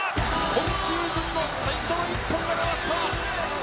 今シーズンの最初の１本が出ました。